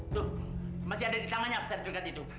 itu masih ada di tangannya sertifikat itu